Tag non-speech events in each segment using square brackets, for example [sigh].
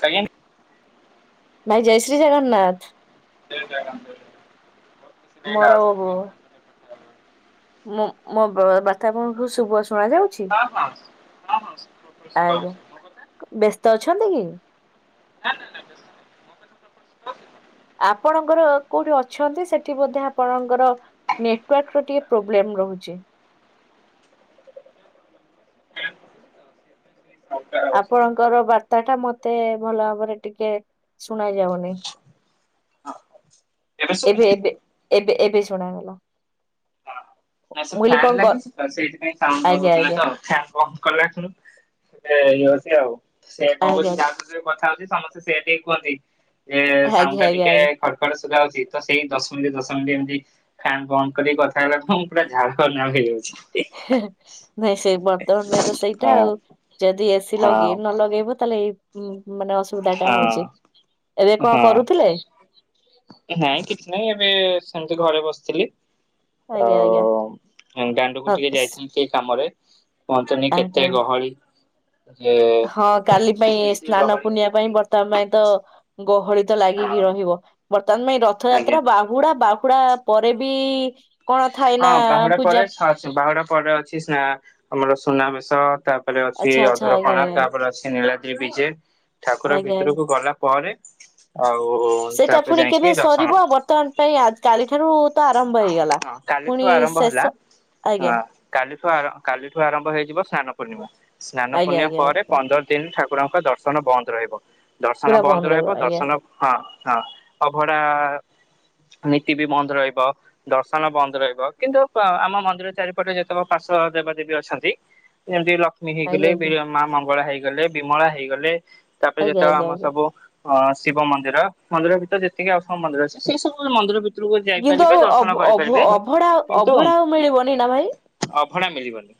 କାଇଁ? ଭାଇ ଜୟ ଶ୍ରୀ ଜଗନ୍ନାଥ। [unintelligible] ଯାଉଛି ମରାଓ ବ। ମୁଁ ମୋ ବାର୍ତ୍ତା ଆପଣଙ୍କୁ ଶୁଭ ଶୁଣା ଯାଉଛି? ହଁ ହଁ ଶୁ ଆଜ୍ଞା! ବ୍ୟସ୍ତ ଅଛନ୍ତି କି? ନା-ନା-ନା ବ୍ୟସ୍ତ ନାହିଁ, ମୋ କଥା ଆପଣଙ୍କୁ ଶୁଭା ଯାଉଛି ତ? ଆପଣଙ୍କର କୋଉଠି ଅଛନ୍ତି ସେଠି ବୋଧେ ଆପଣଙ୍କର ନେଟୱାର୍କ ର ଟିକେ ପ୍ରୋବ୍ଲେମ୍। ରହୁଚି। ଯାଉଛି ତ? ଆପଣଙ୍କର ବାର୍ତ୍ତାଟା ମତେ ଭଲ ଭାବରେ ଟିକେ ଶୁଣା ଯାଉନି। [unintelligible] ଏବେ ଶୁଭୁଛି? ଏବେ ଏବେ ଶୁଣାଗଲା। ନା ସେ ମୁଁ କହିଲି ଫ୍ଯାନ୍ କଣ କ ଲାଗିଛି ତ, ସେଇଥ ପାଇଁ ସାଉଣ୍ଡ ଆଜ୍ଞା ହଉଥିଲା ଆଜ୍ଞା ତ ଫ୍ଯାନ୍ ବନ୍ଦ୍ କଲା ଶୁଣୁ ଇଏ ହଉଚି ଆଉ ସେ କଣ ଆଜ୍ଞା କରୁଛି ଯାହା ସାଙ୍ଗରେ କଥା ହଉଚି ସମସ୍ତେ ସେଇଆ ବି କୁହନ୍ତି, ଯେ ସାଉଣ୍ଡ ଆଜ୍ଞା ଟା ଆଜ୍ଞା ଟିକେ ଆଜ୍ଞା ଖଡ ଖଡ ଶୁଭା ଯାଉଛି ତ ସେଇ ଦଶ ମିନିଟ୍ ଦଶ ମିନିଟ୍ ଏମତି ଫ୍ୟାନ୍ ବନ୍ଦ କରି କଥା ହେବାଠଉଁ, ମୁଁ ପୁରା ଝାଳ ନାଳ ହେଇ ଯାଉଛି। ହେ-ହେ ନାଇଁ ସେଇ ବର୍ତ୍ତମାନ ପାଇଁ ତ ସେଇଟା ହଁ ଆଉ ଯଦି ଏ ସି ହଁ ଲଗେଇ ନ ଲଗେଇବ ତାହେଲେ ଏ ଉଁ। ମାନେ ଅସୁବିଧା ଟା ହଁ ହଉଛି ଏବେ କଣ ହଁ। କରୁଥିଲେ? ନାଇଁ କିଛି ନାହିଁ ଏବେ ସେମିତି ଘରେ ବସି ଆଜ୍ଞା ଆଉ ଆଜ୍ଞା ଦାଣ୍ଡଆଡକୁ ହଁ ଟିକେ ସ୍ ଯାଇଥିଲି ସେ କାମରେ। କୁହନ୍ତୁନି କେତେ ଆଜ୍ଞା। ଗହଳି? ଯେ ହଁ କାଲି ପାଇଁ ବେଶୀ ସ୍ନାନ ଗହଳି ପୂର୍ଣ୍ଣିମା। ପାଇଁ ବର୍ତ୍ତମାନ ପାଇଁ ତ ଗହଳି ତ ହଁ ଲାଗିକି ରହିବ। ବର୍ତ୍ତମାନ ପାଇଁ ଆଜ୍ଞା ରଥଯାତ୍ରା ବାହୁଡା ବାହୁଡା ପରେ ବି କଣ ଥାଏ ନା ହଁ ବାହୁଡା ପୂଜା ପରେ [unintelligible] ବାହୁଡା ପରେ ଅଛି ସ୍ନା ଆମର ସୁନାବେଶ ତା ତାପରେ ଅଛି ଆଚ୍ଛା ଆଚ୍ଛା ଆଜ୍ଞା ଅଧରପଣା ଆଜ୍ଞା ତାପରେ ଅଛି ନୀଳାଦ୍ରି ବିଜେ ଠାକୁର ଆଜ୍ଞା ଆଜ୍ଞା। ଭିତରକୁ ଗଲା ପରେ ଆଉ ସେଇଟା ତାପରେ ପୁଣି କେବେ ଯାଇକି ଦର୍ଶନ ସରିବ ହଁ। ବର୍ତ୍ତମାନ ପାଇଁ କାଲି ଠାରୁ ତ ଆରମ୍ଭ ହେଇଗଲା। କାଲିଠୁ ପୁଣି ଆରମ୍ଭ ଶେଷ ହେଲା। ଆଜ୍ଞା କାଲିଠୁ ଆ କାଲି ଠୁ ଆରମ୍ଭ ହେଇଯିବ ସ୍ନାନ ପୂର୍ଣ୍ଣିମା ସ୍ନାନ ଆଜ୍ଞା ପୂର୍ଣ୍ଣିମା ଆଜ୍ଞା ପରେ ଆଜ୍ଞା ପନ୍ଦର ଦିନ ଠାକୁ ରଙ୍କ ଦର୍ଶନ ବନ୍ଦ ରହିବ ଦର୍ଶନ ବନ୍ଦ ରହିବ ଦର୍ଶନ ହଁ। ହଁ ଅଭଡା ନୀତି ବି ବନ୍ଦ ରହିବ ଦର୍ଶନ ବନ୍ଦ ରହିବ କିନ୍ତୁ ଆମ ମନ୍ଦିରରେ ଚାରିପଟେ ଯେତେକ ପାର୍ଷ ଦେବାଦେବୀ ଅଛନ୍ତି ଯେମିତି ଲ କ୍ଷ୍ମୀ ଆଜ୍ଞା ହେଇଗଲେ ଆଜ୍ଞା ମା ମଙ୍ଗଳା ହେଇଗଲେ ବିମଳା ହେଇଗଲେ ତାପରେ ଆଜ୍ଞା ଯେତେକ ଆଜ୍ଞା ଆମର ଆଜ୍ଞା। ସବୁ। ହଁ ଶିବ ମନ୍ଦିର ମନ୍ଦିର ଭିତରେ ଯେତିକି ଆଉ ମନ୍ଦିର ଅଛି ସେଇ ସବୁ ମନ୍ଦିର ଭିତ ରୁକୁ କିନ୍ତୁ ଯାଇପାରିବେ ଆଉ ଦର୍ଶନ ଅଭ ଅଭ କରିପାରିବେ। ଅଭଢା କିନ୍ତୁ ଅଭଢା ଆଉ ମିଳିବନି ନା ଭାଇ? ଅଭଢା ମିଳିବନି।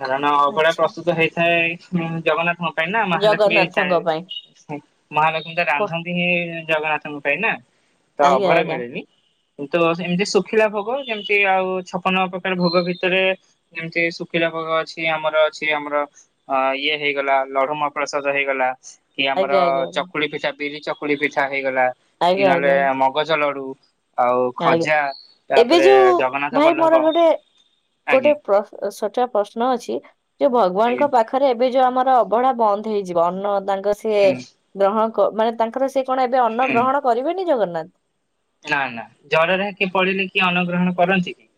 କାରଣ ଅବଢ଼ା ଆଚ୍ଛା ପ୍ରସ୍ତୁତ ହେଇଥାଏ। ହଁ ଜଗନ୍ନାଥଙ୍କ ପାଇଁ ନା ମହାଲକ୍ଷ୍ମୀ ଜଗନ୍ନାଥଙ୍କ ପାଇଁ [unintelligible] ମହାଲକ୍ଷ୍ମୀ କ ରାନ୍ଧନ୍ତି ହିଁ ଜଗନ୍ନାଥଙ୍କ ପାଇଁ ନା ତ ଆଜ୍ଞା ଅଭଢା ଆଜ୍ଞା ମିଳେନି କିନ୍ତୁ ଏମିତି ଶୁଖିଲା ଭୋଗ ଯେମତି ଆଉ ଛପନ ପ୍ରକାର ଭୋଗ ଭିତରେ ଯେମିତି ଶୁଖିଲା ଭୋଗ ଅଛି ଆମର ଅଛି ଆମର ଅ ଇଏ ହେଇଗଲା ଲଢୁମା ପ୍ରସାଦ ହେଇଗଲା। କି ଆମର ଆଜ୍ଞା ଆଜ୍ଞା ଚକୁଳି ପିଠା ବିରି ଚକୁଳି ପିଠା ହେଇଗଲା କି ଆଜ୍ଞା ନହେଲେ ଆଜ୍ଞା ଆଜ୍ଞା ମଗଜ ଲଡୁ। ଆଉ ଆଜ୍ଞା ଖଜା ତା ଏବେ ଯୋଉ ଭାଇ ମୋର ଗୋଟେ ଗୋଟେ ଆଜ୍ଞା। ସଚଆ ପ୍ରଶ୍ନ ଅଛି ଯୋଉ ହୁଁ ଭଗବାନଙ୍କ ପାଖରେ ଏବେ ଯୋଉ ଆମର ଅବଢା ବନ୍ଦ ହେଇଯିବ ଅନ୍ନ ତାଙ୍କ ସେ ହୁଁ ଗ୍ରହଣ ମାନେ ତାଙ୍କର ସେ କଣ ଏବେ ଅନ୍ନ ଗ୍ରହଣ କରିବେନି ଜଗନ୍ନାଥ? ନା ନା ଜରରେ କିଏ ପଡ଼ିଲେ କିଏ ଅନ୍ନଗ୍ରହଣ କରନ୍ତି କି?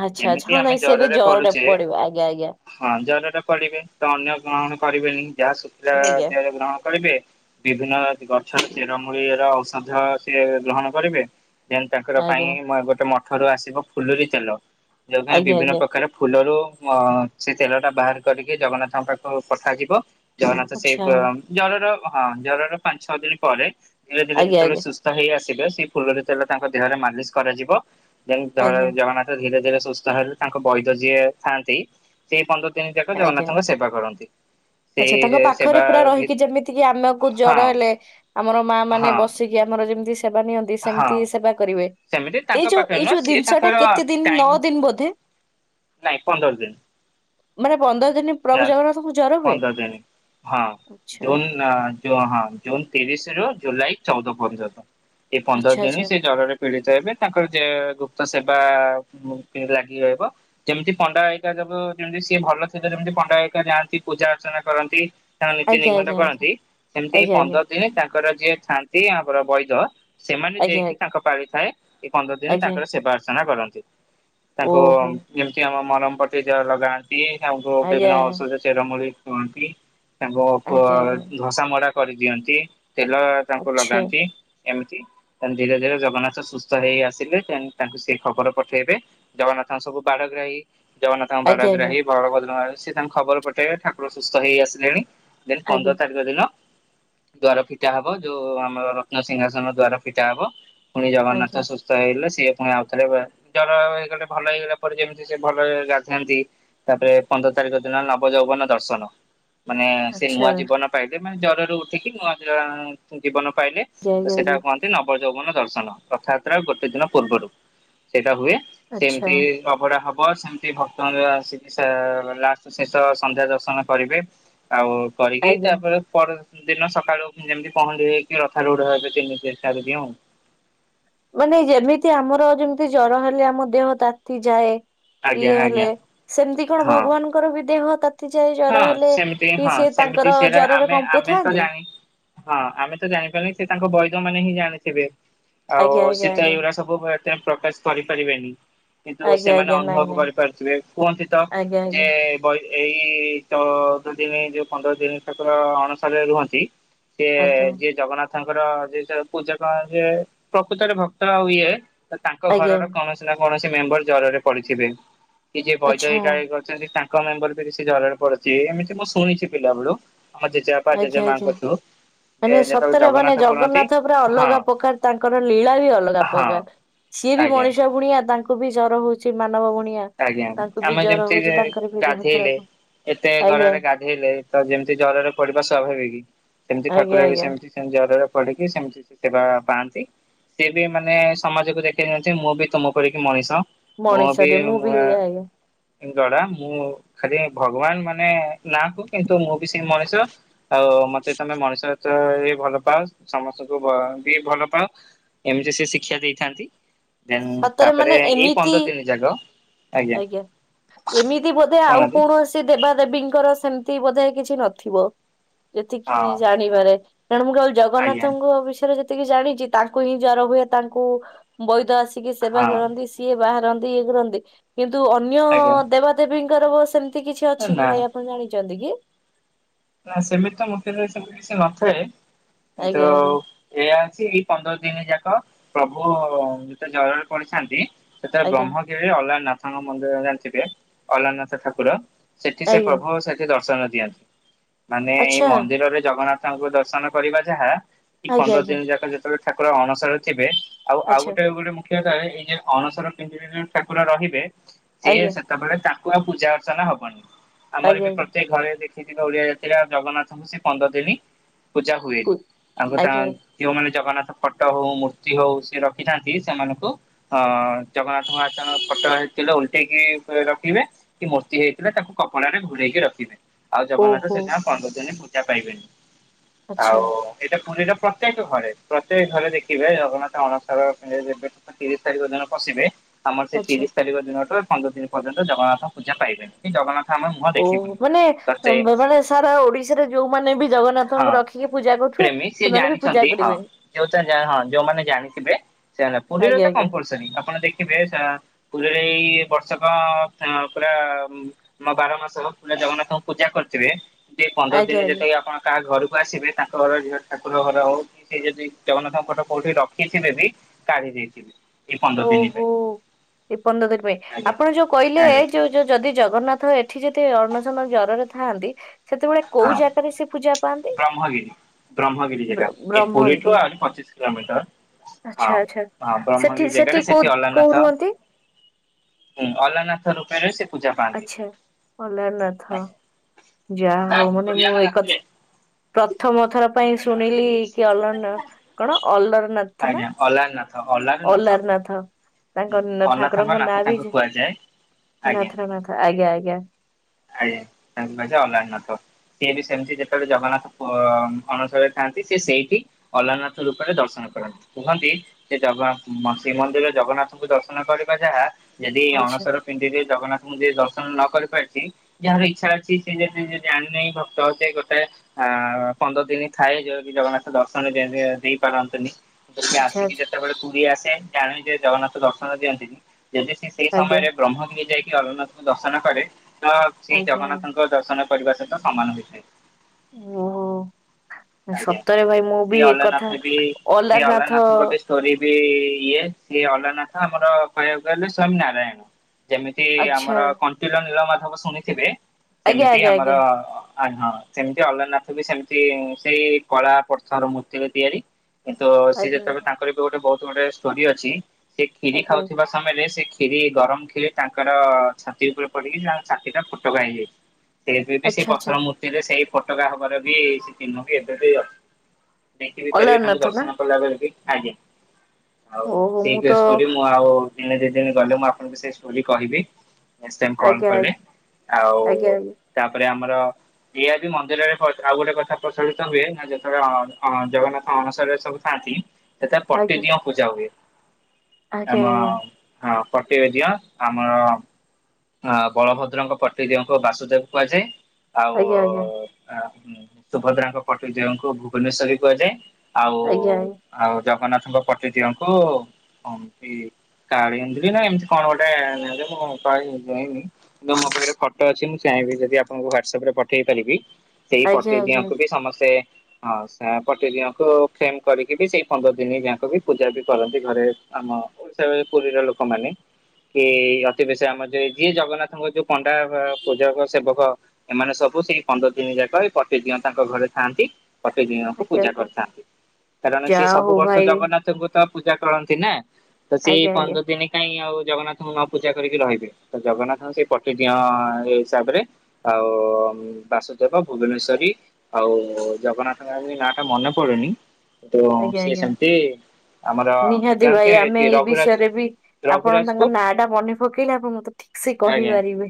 ଆଚ୍ଛା ଆଚ୍ଛା ଯେମିତି ହଁ ଆମେ ନାଇଁ ସେ ଏବେ ଜରରେ ପଡୁଛେ ପଡିବ ଆଜ୍ଞା ହଁ ଜରରେ ପଡିବେ ତ ଅନ୍ନ ଗ୍ରହଣ କରିବେନି ଯାହା ଶୁଖିଲା ଆଜ୍ଞା ଯାହା ଗ୍ରହଣ କରିବେ। ବିଭିନ୍ନ ଗଛ ଚେରମୂଳି ର ଔଷଧ ସିଏ ଗ୍ରହଣ କରିବେ। ଯେନ୍ ତାଙ୍କର ଆଜ୍ଞା ପାଇଁ ଗୋଟେ ମଠ ର ଆସିବ ଫୁଲୁରି ତେଲ। ଯୋଉ ପାଇଁ ଆଜ୍ଞା ଆଜ୍ଞା ବିଭିନ୍ନ ଆଜ୍ଞା ପ୍ରକାର ଫୁଲରୁ ସେ ତେଲ ଟା ବାହାର କରିକି ଜଗନ୍ନାଥଙ୍କ ପାଖକୁ ପଠାଯିବ। ଜଗନ୍ନାଥ ସେ ଆଚ୍ଛା ଜରର ହଁ ଜରର ପାଞ୍ଚ ଛଅ ଦିନ ପରେ ଧୀରେ ଧୀରେ ଆଜ୍ଞା ଯେତେବେଳେ ଆଜ୍ଞା ସୁସ୍ଥ ହେଇ ଆସିବେ ସେଇ ଫୁଲୁରି ତେଲ ତାଙ୍କ ଦେହରେ ମାଲିସ କରାଯିବ। ଯେ ଆଜ୍ଞା ଜଗନ୍ନାଥ ଧୀରେ ଧୀରେ ସୁସ୍ଥ ହେଲେ ତାଙ୍କ ବୈଦ ଯିଏ ଥାଆନ୍ତି ସେଇ ପନ୍ଦ ତିନି ଯାକ ଆଜ୍ଞା ଜଗନ୍ନାଥଙ୍କ ସେବା କରନ୍ତି। ଆଚ୍ଛା ତାଙ୍କ ସେଇ ପାଖରେ ସେବା ପୁରା ଭି ରହିକି ଯେମିତିକି ଆମକୁ ହଁ ଜର ହେଲେ ଆମର ମା ମାନେ ହଁ ବସିକି ଆ ଆମର ଯେମିତି ସେବା ନିଅନ୍ତି ହଁ ସେମିତି ସେବା କରିବେ। ସେମିତି ତାଙ୍କ ଏଇ ଯୋଉ ପାଖରେ ଏଇ ନୁହଁ ଯୋଉ ସିଏ ଜିନିଷଟା ତାଙ୍କର କେତେ ଦିନ ଟାଇମ ନଅ ଦିନ ବୋଧେ? ନାଇଁ ପନ୍ଦର ଦିନ। ମାନେ ପନ୍ଦର ଦିନ ପ୍ରଭୁ ଜଗନ୍ନାଥଙ୍କୁ ଜର ହୁଏ? ପନ୍ଦର ଦିନ ହଁ ଆଚ୍ଛା ଜୁନ ହଁ ଜୁନ ତିରିଶି ରୁ ଜୁଲାଇ ଚଉଦ ପର୍ଯ୍ୟନ୍ତ। ଏ ପନ୍ଦର ଆଚ୍ଛା ଦିନ ସେ ଆଚ୍ଛା ଜରରେ ପୀଡିତ ହେବେ ତାଙ୍କର ଯେ ଗୁପ୍ତ ସେବା ଲାଗି ରହିବ ଯେମିତି ପଣ୍ଡା ହେ଼ଇକା ସବୁ ଯେମତି ସିଏ ଭଲ ସେ ଯେମିତି ପଣ୍ଡାହାରିକା ଯାଆନ୍ତି ପୂଜା ଅର୍ଚ୍ଚନା କରନ୍ତି। ତାଙ୍କ ନୀତି ନିଘଣ୍ଟ ଆଜ୍ଞା କରନ୍ତି ସେମିତି ଆଜ୍ଞା ଆଜ୍ଞା ଆଜ୍ଞା ପନ୍ଦର ଦିନ ତାଙ୍କର ଯିଏ ଥାଆନ୍ତି ଆମର ବୈଦ। ସେମାନେ ଆଜ୍ଞା ଆଜ୍ଞା ଆଜ୍ଞା ଆଜ୍ଞା ଯିଏକି ତାଙ୍କ ପାଳିଥାଏ ଏ ପନ୍ଦର ଦିନ ଆଜ୍ଞା। ତାଙ୍କର ସେବା ଅର୍ଚନା କରନ୍ତି। ତାଙ୍କୁ ଓହୋ ଯେମିତି ଆମ ମରମପଟି ଯ ଲଗାନ୍ତି ତାଙ୍କୁ ଆଜ୍ଞା ବିଭିନ୍ନ ଔଷଧ ଚେରମୂଳି କୁହନ୍ତି ତାଙ୍କୁ ଆଜ୍ଞା ଆଜ୍ଞା ଘ-ଘସା ମୋଡା କରିଦିଅନ୍ତି। ତେଲ ତାଙ୍କୁ ଆଚ୍ଛା ଲଗାନ୍ତି। ଏମିତି ଧୀରେ ଧୀରେ ଜଗନ୍ନାଥ ସୁସ୍ଥ ହେଇ ଆସିଲେ ଦେନ୍ ତାଙ୍କୁ ସେ ଖବର ପଠେଇବେ ଜଗନ୍ନାଥ ସବୁ ବାଡଗ୍ରାହି ଜଗନ୍ନାଥଙ୍କ ଆଜ୍ଞା ବାରଗ୍ରାହୀ ବରଭଦ୍ର ସେ ତାଙ୍କ ଖବର ପଠେଇବେ ଠାକୁର ସୁସ୍ଥ ହେଇ ଆସିଲେଣି। ଦେନ ଆଜ୍ଞା ପନ୍ଦର ତାରିଖ ଦିନ ଦ୍ଵାର ଫିଟା ହବ ଯୋଉ ଆମର ରତ୍ନସିିଂହାସନ ଦ୍ଵାର ଫିଟା ହବ। ପୁଣି ଜଗନ୍ନାଥ ଆଜ୍ଞା ଆଜ୍ଞା ସୁସ୍ଥ ହେଇଲେ ସଁ ସିଏ ପୁଣି ଆଉଥରେ ଜର ହେଇଗଲେ ଭଲ ହେଇଗଲା ପରେ ଯେମିତି ସେ ଭଲ ରେ ଗାଧାନ୍ତି ତାପରେ ପନ୍ଦର ତାରିଖ ଦିନ ନବ ଯୌବନ ଦର୍ଶନ, ମାନେ ସେ ଆଚ୍ଛା ନୂଆ ଜୀବନ ପାଇବେ। ମାନେ ଜ୍ୱରରେ ଉଠିକି ନୂଆ ଦିଅ ଜୀବନ ପାଇଲେ ତ ଆଜ୍ଞା ସେଇଟା କୁହନ୍ତି ନବ ବ ଯୌବନ ଦର୍ଶନ, ରଥଯାତ୍ରା ଗୋଟେ ଦିନ ପୂର୍ବରୁ ସେଇଟା ହୁଏ। ଆଜ୍ଞା ଆଜ୍ଞା ଆଚ୍ଛା ସେମିତି ଅଭଡ଼ା ହବ, ସେମିତି ଭକ୍ତ ମାନେ ଆସି ସେ ଲାଷ୍ଟ ଶେଷ ସନ୍ଧ୍ୟା ଦର୍ଶନ କରିବେ ଆଉ କରିକି ଆଜ୍ଞା। ତାପରେ ପରେ ଦିନ ସକାଳୁ ଯେମିତି ପହଣ୍ଡି ହେଇକି କି ରଥ ରୋଢ ହେବେ ତିନିତି ଚାରି ଦିଅଁ ଆଉ। ମାନେ ଯେମିତି ଆମର ଯେମିତି ଜର ହେଲେ ଆମ ଦେହ ତାତି ଯାଏ। ଆଜ୍ଞା ଇଏ ଆଜ୍ଞା ହେଲେ, ସେମିତି କଣ ହଁ ଭଗବାନଙ୍କର ବି ଦେହ ତାତିଯାଏ ହଁ ଜର ହେଲେ ସେମିତି କି ହଁ ସିଏ ସେମିତି ତାଙ୍କର ସେଟା ଜରରେ ଆମେ ଆମେ ତ କମ୍ପୁଥାନ୍ତି ଜାଣି ହଁ ଆମେ ତ ଜାଣିପାରିନି ସେ ତାଙ୍କ ବୈଦ ମାନ ହିଁ ଜାଣି ଥିବେ ଆଉ ଆଜ୍ଞା ଆଜ୍ଞା ସେତ ଆଜ୍ଞା। ଏଇଗୁଡା ସବୁ ପ୍ରକାଶ କରିପାରିବେନି। କିନ୍ତୁ ଆଜ୍ଞା ସେମାନେ ଆଜ୍ଞା ନାଇଁ ଅନୁଭବ ନାଇଁ କରିପାରୁଥିବେ, କୁହନ୍ତି ତ ଆଜ୍ଞା ଯେ ଆଜ୍ଞା ବ ଏଇ ଚଉଦ ଦିନ ଯୋଉ ପନ୍ଦର ଦିନ ଠାକୁର ଅଣସରେ ରୁହନ୍ତି ସିଏ ଆଜ୍ଞା ଯିଏ ଜଗନ୍ନାଥ ତାଙ୍କର ଯିଏ ତାର ପୂଜା କରନ୍ତି ପ୍ରକୃତରେ ଭକ୍ତ ଆଉ ଇଏ ତ ତାଙ୍କ ଆଜ୍ଞା ଘରର କୌଣସି ନା କୌଣସି ମେମ୍ବର ଜ୍ଵରରେ ପଡିଥିବେ। କି ଯିଏ ବୈଦ ଆଚ୍ଛା। ଏଗା କରିଛନ୍ତି ତାଙ୍କ ମେମ୍ବର ବି ସେ ଜ୍ୱର ରେ ପଡ଼ିଥିବେ, ଏମିତି ମୁଁ ଶୁଣିଛି ପିଲା ବେଳୁ। ଆମ ଜେଜେବାପା ଆଜ୍ଞା ଜେଜେମା ଆଜ୍ଞା। ଙ୍କ ଠୁ। ମାନେ ସତରେ ମାନେ ଜଗନ୍ନାଥ ପୁରା ହଁ ଅଲଗା ପ୍ରକାର ତାଙ୍କର ଲୀଳା ବି ଅଲଗା ହଁ ପ୍ରକାର। ସିଏ ବି ଆଜ୍ଞା। ମଣିଷ ବୁଣିଆ ତାଙ୍କୁ ବି ଜର ହଉଛି ମାନବ ଭଳି ଲିଆ ଆଜ୍ଞା ତାଙ୍କୁ ବି ଆମେ ଜର ଯେମିତି ହଉଛି ତାଙ୍କର ବି ଦେହ ଗାଧେଇଲେ ଖରାପ। ଏତେ ଆଜ୍ଞା ଗରାରେ ଗାଧେଇଲେ ତ ଯେମିତି ଜ୍ୱରରେ ପଡିବା ସ ସ୍ୱାଭାବିକ ସେମିତି ଆଜ୍ଞା ଠାକୁର ବି ଆଜ୍ଞା। ସେମିତି ସେମିତି ଜରରେ ପଡିକି ସେମିତି ସେ ସେବା ପାଆନ୍ତି। ସିଏ ବି ମାନେ ସମାଜକୁ ଦେଖେଇଦିଅନ୍ତି ମୁଁ ବି ତୁମ ପରିକି ମଣିଷ। ମଣିଷଟି ମୁଁ ବି ଆଜ୍ଞା ଆଜ୍ଞା। ଗଢ଼ା ମୁଁ ଖାଲି ଭଗବାନ ମାନେ ନା କୁ କିନ୍ତୁ ମୁଁ ବି ସେ ମଣିଷ, ଆଉ ତ ମତେ ତମେ ମଣିଷତ ବି ଭଲ ପାଅ ସମସ୍ତଙ୍କୁ ବି ଭଲ ପାଅ। ଏମିତି ସେ ଶିକ୍ଷା ଦେଇଥାନ୍ତି, ଦେନ ସତରେ ତାପରେ ମାନେ ଏଇ ଏମିତି ପନ୍ଦର ଦିନ ଯାକ ଆଜ୍ଞା ଏମିତି ବୋଧେ ଆଉ କହୁନାହାନ୍ତି। କୌଣସି ଦେବାଦେବୀଙ୍କ ଙ୍କର ସେମିତି ବୋଧେ କିଛି ନଥିବ ଯେତିକି ହଁ ଜାଣିବାରେ। ତେଣୁ ମୁଁ କେବଳ ଆଜ୍ଞା ଜଗନ୍ନାଥଙ୍କ ବିଷୟରେ ଯେତିକି ଜାଣିଛି ତାଙ୍କୁ ହିଁ ଜର ହୁଏ, ତାଙ୍କୁ ବୈଦ ଆସି ସିକି ସେବା ହଁ କରନ୍ତି ସିଏ ବାହାରନ୍ତି ଇଏ କରନ୍ତି କିନ୍ତୁ ଅନ୍ୟ ଆଜ୍ଞା ଦେବାଦେବୀଙ୍କର ସେମିତି ସେମିତି କିଛି ଅଛି ନା କି ଭାଇ ଆପଣ ଜାଣିଛନ୍ତି କି? ନା ସେମିତି ମତରେ ସବୁ କିଛି ନଥାଏ କିନ୍ତୁ ଆଜ୍ଞା ଆଜ୍ଞା ଏଆ ସେଇ ୟେ ପନ୍ଦର ଦିନ ଯାକ ପ୍ରଭୁ ଯେତେ ଜରରେ ପଡିଥାନ୍ତି ସେତବେଳେ ଆଜ୍ଞା ବ୍ରହ୍ମଗିରିରେ ଅଲାରନାଥ ଙ୍କ ମନ୍ଦିର ଜାଣିଥିବେ ଅଲାରନାଥ ଠାକୁର ସେଠି ସେ ଆଜ୍ଞା ପ୍ରଭୁ ସେଠି ଦର୍ଶନ ଦିଅନ୍ତି, ମାନେ ଏଇ ଆଚ୍ଛା ମନ୍ଦିରରେ ଜଗନ୍ନାଥ ତାଙ୍କୁ ଦର୍ଶନ କରିବା ଯାହା, କି ଆଜ୍ଞା ପନ୍ଦର ଆଜ୍ଞା ଦିନ ଯାକ ଯେତେବେଳେ ଠାକୁର ଅଣସରେ ଥିବେ ଆଉ ଆଉ ଆଚ୍ଛା ଗୋଟେ ଗୋଟେ ମୁଖ୍ୟ କାରଣ ଏଇ ଯେ ଅଣସର ପିଞ୍ଜୁରି ରେ ଠାକୁର ରହିବେ ସିଏ ଆଜ୍ଞା ସେତେବେଳେ ତାଙ୍କୁ ଆଉ ପୂଜା ଅର୍ଚ୍ଚନା ହବନି ଆମର ଆଜ୍ଞା ବି ଆଜ୍ଞା ପ୍ରତ୍ୟକ ଘରେ ଦେଖ ସେଥି ଓଡିଆ ଯାତିଗା ଜଗନ୍ନାଥଙ୍କୁ ସେ ପନ୍ଦର ଦିନି। ପୂଜା ହୁଏନି ତାଙ୍କୁ ଆଜ୍ଞା ତାଙ୍କୟଃ ମାନେ ଜଗନ୍ନାଥ ଫଟୋ ହଉ ମୂର୍ତ୍ତି ହଉ ସେ ରଖିଥାନ୍ତି ସେମାନଙ୍କୁ ହଁ ଜଗନ୍ନାଥ ମହାଚୟଣ ଫଟୋଇ ସେଲ ଉଲଟେଇକି ପୁରା ରଖିବେ କି ମୂର୍ତ୍ତି ହେଇଥିଲା ତାକୁ କପଡା ରେ ଘୋଡେଇକି ରଖିବେ। ଆଉ ଜଗନ୍ନାଥ ଓହୋ ସେ ପୂଜନୀ ପୂଜା ପାଇବେନି ଆଚ୍ଛା ଆଉ ଏଇଟା। ପୁରୀ ର ପ୍ରତ୍ୟେକ ଘରେ ପ୍ରତ୍ୟେକ ଘରେ ଦେଖିବେ ଜଗନ୍ନାଥ ଅଣସର ଘରେ ଯେବେ ତିରିଶ ତାରିଖ ଦିନ ପଶି ଥିବେ ଆମର ସେଇ ଆଚ୍ଛା ତିରିଶ ତାରିଖ ଦିନଠୁ ପନ୍ଦର ଦିନ ପର୍ଯ୍ୟନ୍ତ ଜଗନ୍ନାଥ ପୂଜା ପାଇବେନି କି ଜଗନ୍ନାଥ ଆମେ ମୁହଁ ଓ ଦେଖିବୁନି। ମାନେ ତ ସେ ମାନେ ଓଡିଶାରେ ଯୋଉମାନେ ବି ଜଗନ୍ନାଥଙ୍କୁ ହଁ ରଖିକି ପୂଜା କରୁଥିବେ ପ୍ରେମୀ ସିଏ ସେମାନେ ବି ପୂଜା ଜାଣିଛନ୍ତି ହଁ କରିବେନି। ଯୋଉଟା ଯା ହଁ ଯୋଉମାନେ ଜାଣିଥିବେ ସେମାନେ ପୁରୀର ତ ଆଜ୍ଞା ଆଜ୍ଞା କମ୍ପଲସରୀ ଆପଣ ଦେଖ ଥିବେ ପୁରରେ ଏଇ ବର୍ଷକ ପୁରା ବାର ମାସ ପ ଜଗନ୍ନାଥଙ୍କୁ ପୂଜା କରିଥିବେ ଦ ପନ୍ଦର ଦିନ ଆଜ୍ଞା ଆଜ୍ଞା ଯେତିେକି ଆପଣ କାହା ଘରକୁ ଆସିବେ ତାଙ୍କ ଘର ଝିଅ ଠାକୁର ଘର ହଉ କି ସେ ଯଦି ଜଗନ୍ନାଥଙ୍କ ଫଟୋ କୋଉଠି ରଖିଥିବେ ବି କାଡି ଏଇ ପନ୍ଦର ଦିନ ପାଇଁ। ପନ୍ଦର ଦିନ ପାଇଁ ଆଜ୍ଞା ଆପଣ ଯୋଉ କହିଲେ ଆଜ୍ଞା ଯୋଉ ଯୋଉ ଯଦି ଜଗନ୍ନାଥ ଏଠି ଯି ଅର୍ଣସନ ଜରେ ଥାଆନ୍ତି ସେତେବେଳେ ହଁ କୋଉ ଜାଗାରେ ସେ ପୂଜା ପାଆନ୍ତି? ବ୍ରହ୍ମଗିରି ବ୍ରହ୍ମଗିରି ବ୍ର ଜାଗା ଏ ବ୍ରହ୍ମଗିରି ପୁରୀଠୁ ଆହୁରି ପଚିଶ କିଲୋମିଟର। ହଁ ଆଚ୍ଛା ଆଚ୍ଛା। ହଁ ସେଠି ବ୍ରହ୍ମବ ଜାଗାରେ କୋଉ ସେଠି କୋଉ ଅଲାନାଥ ରୁହନ୍ତି ହଁ ଅଲାନଥ ରୂପ ର ସେ ପୂଜା ପାଆନ୍ତି। ଆଛା ଓଲରନାଥ। ଯା ହଉ ମାନେ ମୁଁ ଏକଥା। ପ୍ରଥମ ଥର ପାଇଁ ଶୁଣିଲି କି ଅର କଣ ଅଲରନାଥ ନା? ଆଜ୍ଞା ଅଲାରନାଥ ଅଲାରନାଥ। ଅଲାର ନାଥ ହୁଁ ତାଙ୍କ ଅନାଥଙ୍କ ଠାକୁରଙ୍କ ନାଥ ନାଁ ବି ତାଙ୍କୁ ଯେ କୁହାଯାଏ ଆଜ୍ଞା। [unintelligible] ଆଜ୍ଞା ଆଜ୍ଞା। ଆଜ୍ଞା ତାଙ୍କ ବାଯେ ଅଲାକନାଥ। ସିଏ ବି ସେମିତି ଯେତେବେଳେ ଜଗନ୍ନାଥ ଅନୁସରରେ ଥାନ୍ତି ସେି ସେଇଠି ଅଲନାଥ ରୂପରେ ଦର୍ଶନ ନ୍ତି କୁହନ୍ତି ଶ୍ରୀଜଗନ୍ନାଥ ଶ୍ରୀମନ୍ଦିରରେ ଜଗନ୍ନାଥଙ୍କୁ ଦର୍ଶନ କରିବା ଯାହା ଯଦି ଆଚ୍ଛା ଅଣସର ପିଣ୍ଡିରେ ଜଗନ୍ନାଥଙ୍କୁ ଯିଏ ଦର୍ଶନ ନ କରିପାରିଛି? ଯାହାର ଇଚ୍ଛା ଅଛି ସେ ଯେ ଜାଣିନହି ଭକ୍ତ ଯେ ଗୋଟେ ଆ ପନ୍ଦର ଦିନ ଥାଏ ଯ ଜଗନ୍ନାଥ ଦର୍ଶନ ଦେଇପାରନ୍ତିନି? ସେ ଆଚ୍ଛା ଆସିକି ଆଚ୍ଛା ଯେତେବେଳେ ପୁରୀ ଆସେ ଜାଣୁ ଯେ ଜଗନ୍ନାଥ ଦର୍ଶନ ଦିଅନ୍ତିନି। ଯଦି ସେ ସେଇ ଆଜ୍ଞା ସମୟରେ ବ୍ରହ୍ମଗିରି ଯାଇକି ଅଲନାଥଙ୍କୁ ଦର୍ଶନ କରେ ତ ସେଇ ଆଜ୍ଞା ଆଜ୍ଞା ଜଗନ୍ନାଥଙ୍କ ଦର୍ଶନ କରିବା ସହିତ ସମାନ ହୋଇଥାଏ। ଓଃହୋ। ଆଜ୍ଞା ସତରେ ଭାଇ ମୁଁ ସେଇ ବି ଅଲାରନାଥ ଏକଥା ଅଲାରନାଥ ଏ ଇଏ ସିଏ ଅଲନାଥ ଆମର କହିବାକୁ ଗଲେ ସୋୟଂ ନାରାୟଣ। ଯେମିତି ଆଚ୍ଛା ଆମର କଣ୍ଟିଲ ନୀଳ ମାଧବ ଶୁଣିଥିବେ ଆଜ୍ଞା ସେମିତି ଆଜ୍ଞା ଆମର ଆଜ୍ଞା ଆ ହଁ ସେମିତି ଅଲନାଥ ବି ସେମିତି ସେଇ କଳା ପ୍ରଥର ମୂର୍ତ୍ତିକ ତିଆରି। କିନ୍ତ ସ ଆଜ୍ଞା ଯେତେବେଳେ ତାଙ୍କର ବି ଗୋଟେ ବହୁତ ଗୋଟେ ଷ୍ଟୋରି ଅଛି ସେ ଆଜ୍ଞା କ୍ଷୀରି ଆଜ୍ଞା ଖାଉଥିବା ସମୟରେ ସେ ଖି଼ରି ଗରମ ଖି଼ରି ତାଙ୍କର ଛାତି ଉପରେ ପଡିକି ତାଙ୍କ ଛାତି ଟା ଫୋଟକା ହେଇଯାଇଛି। ସେ ବି ସେ ଆଚ୍ଛା ଆଚ୍ଛା ପଥର ମୂର୍ତ୍ତିରେ ସେଇ ଫୋଟକା ହବରେ ବି ସେ ଚହ୍ନକୁ ଏବେ ବି ଅ ଦେଖି ବିି ପାରିବେ ତାଙ୍କୁ ଅଲାରନାଥ ନା ଦର୍ଶନ କଲା ବଳେ ବି ଆଜ୍ଞା। ଆଉ ଓହୋ ମୁଁ ତ ସେଇଷ୍ଟୋରି ମୁଁ ଆଉ ଦିନେ ଦ ଦିନେ ଗଲେ ମୁଁ ଆପଣଙ୍କୁ ସେଇଷ୍ଟୋରି କହିବି। ସେମେ କଲ ଆଜ୍ଞା କଲେ। ଆଜ୍ଞା ଆଉ ଆଜ୍ଞା ଆଜ୍ଞା ତାପରେ ଆମର। ଏହାୟ ବି ମନ୍ଦିରରେ ଆଉ ଗୋଟେ କଥା ପ୍ରଚଳିତ ହୁଏ ନା ଯେତେବେଳେ ଜଗନ୍ନାଥ ଅନସରରେ ସବୁ ତଥା ପଟି ଆଜ୍ଞା ଦିଅ ପୂଜା ହୁଏ। ଆଜ୍ଞା ଆମ ହ ପଟେଇବେ ଦଅ ଆମର ଆ ବଳଭଦ୍ରଙ୍କ ପଟିଦିଅଙ୍କୁ ବାସୁଦେବ କୁହାଯାଏ ଆଉ। ଆଜ୍ଞା ଆଜ୍ଞା ସୁଭଦ୍ରାଙ୍କ କଟ ଦେଙ୍କୁ ଭୁବନେଶ୍ଵେରୀ ବି କୁହାଯାଏ ଆଉ ଆଜ୍ଞା ଆଉ ଜଗନ୍ନାଥଙ୍କ ପ୍ରତିଟିିଅଙ୍କୁ ହମତି କାଳି ହନ୍ଧି ନା ଏମିତି କଣ ଗୋଟେ ନାଁ ଟେ ମୁଁ କହିବି। ଯାଇନି କିନ୍ତୁ ମୋ ପାଖରେ ଫଟୋ ଅଛି ମୁଁ ଚାହିଁବି ଯଦି ଆପଣଙ୍କୁ ହ୍ୱାଟସଆପ ରେ ପଠେଇ ପାରିବି। ସେଇ ଆଜ୍ଞା ପ୍ରତି ଆଜ୍ଞା ଆଜ୍ଞା ଆଜ୍ଞା ଦିଅକୁ ବି ସମସ୍ତେ ହଁ ସେ ପଟି ଦିଙ୍କୁ ଫେମ କରିକି ବି ସେଇ ପନ୍ଦର ଦିନ ଯାକ ବି ପୂଜା ବି କରନ୍ତି ଘରେ ଆମ ଓଡିଶା ପୁରୀର ଲୋକମାନେ କି ଅତି ବେଶୀ ଆମର ଯି ଯିଏ ଜଗନ୍ନାଥଙ୍କ ଯୋଉ ପଣ୍ଡା ପୂଜକ ସେବକ ଏମାନେ ସବୁ ସେଇ ପନ୍ଦର ଦିନି ଯାକ ପଟି ଦିଅନ୍ତି। ତାଙ୍କ ଘରେ ଥାଆନ୍ତି। ପ୍ [inaudible] ଣଙ୍କୁ ପୂଜା ଆଜ୍ଞା କରିଥାନ୍ତି। କାରଣ ସିଏ ଯାହା ସବୁ ହଉ ବର୍ଷ ଭାଇ ଜଗନ୍ନାଥଙ୍କୁ ତ ପୂଜା କରନ୍ତି ନା। ତ ସେଇ ଆଜ୍ଞା ଆଜ୍ଞା ପନ୍ଦର ଦିନ କାହିଁ ଆଉ ଜଗନ୍ନାଥଙ୍କୁ ନ ପୂଜା କରିକି ରହିବେ? ତ ଜଗନ୍ନାଥଙ୍କ ସେଇ ପଟିଦିଅ ହିସାବରେ ଆଉ ବାସୁଦେବ ଭୁବନେଶ୍ଵରୀ ଆଉ ଜଗନ୍ନାଥଙ୍କ ନାଁ ଟା ମନେ ପଡୁନି କିନ୍ତୁ ଆଜ୍ଞା ସିଏ ଆଜ୍ଞା ସେମତି ନିହାତି ଭାଇ ଆମେ ଏଇ ବିଷୟରେ ବି ଆପଣ ତାଙ୍କ ରଘୁରାଜପୁର ନା ଟା ମନେ ପକେଇଲେ ଆପଣ ତେ ଠିକ ସେ ଆଜ୍ଞା କହିପାରିବେ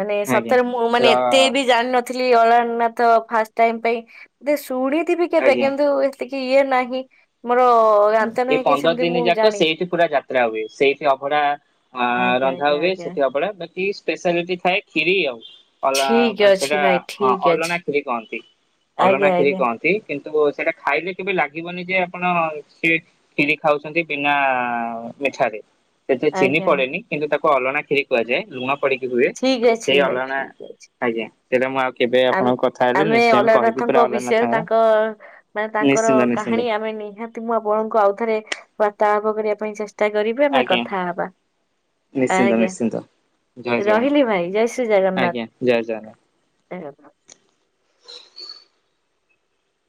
ମାନେ ଆଜ୍ଞା ସତରେ ମୁଁ ମାନେ ର ଏତେ ବି ଜାଣିନି ଥିଲି ଅଲାରନାଥ ଫାଷ୍ଟ ଟାଇମ ପାଇଁ ଶୁଣିଥିବି କେବେ ଆଜ୍ଞା କିନ୍ତୁ ଏତିକି ଇଏ ନାହିଁ। ହ। [inaudible] ଏଇ ପନ୍ଦର ଦିନ ଯାକ ସେଇଠି ପୁରା ଯାତ୍ରା ହୁଏ ସେଇଠି ଅଭଢା ଅ ଆଜ୍ଞା ରନ୍ଧା ଆଜ୍ଞା ହୁଏ ଆଜ୍ଞା ସେଠି ଅଭଢା ବାକି ସ୍ପେଶାଲିଟି ଏ ଖିରି ଆଉ। ଠିକ ଅ ଅଛି ସେଇଟା ଭାଇ ହଁ ଠିକ ଅଛି ଅଲଣା କ୍ଷୀରି କହନ୍ତି ଅଲଣା ଆଜ୍ଞା କ୍ଷିରି ଆଜ୍ଞା। କହନ୍ତି କିନ୍ତୁ ତ ସେଇଟା ଖାଇଲେ କେବେ ଲାଗିବନି ଯେ ଆପଣ ସେଏ କ୍ଷିରି ଖାଉଛନ୍ତି ବିନା ମିଠାରେ ସେତ ଚିନି ଆଜ୍ଞା ଆଜ୍ଞା ପଡେନି କିନ୍ତୁ ତାକୁ ଅଲଣା ଖିରି କୁହାଯାଏ ଲୁଣ ପଡିକି ହୁଏ ଠିକ ସେଇ ଅଛି ଭାଇ ଅଲଣା ଠିକ ଅଛି। ଆଜ୍ଞା ସେଇଟା ମୁଁ ଆଉ କେବେ ଆପଣଙ୍କ କଥା ହେଲେ ଆମେ ନେକ୍ସଟ୍ ଟାଇମ୍ କହିବି ପୁରା ଅଲାରନାଥଙ୍କ ବିଷୟରେ ଅଲରନାଥଙ୍କର ତାଙ୍କ ମାନେ ତାଙ୍କର ନିଶ୍ଚିନ୍ତ ନିଶ୍ଚିନ୍ତ। କାହାଣୀ ଆମେ ନିହାତି ମୁଁ ଆପଣଙ୍କୁ ଆଉଥରେ ବାର୍ତ୍ତାଳାପ କରିବା ପାଇଁ ଚେଷ୍ଟା କରିବି ଆମେ ଆଜ୍ଞା କଥା ହବା। ନିଶ୍ଚିନ୍ତ ଆଜ୍ଞା ନିଶ୍ଚିନ୍ତ। ଜୟ ଜଗନ୍ନାଥ। ରହିଲି ଭାଇ ଜୟ ଶ୍ରୀ ଆଜ୍ଞା ଜୟ ଜଗନ୍ନାଥ ସେ